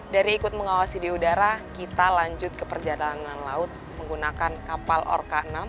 dari ikut mengawasi di udara kita lanjut ke perjalanan laut menggunakan kapal orka enam